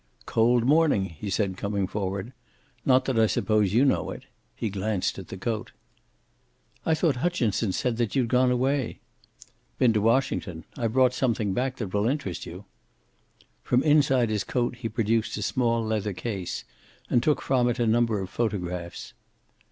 "Cold morning," he said, coming forward. "Not that I suppose you know it." He glanced at the coat. "I thought Hutchinson said that you'd gone away." "Been to Washington. I brought something back that will interest you." From inside his coat he produced a small leather case, and took from it a number of photographs.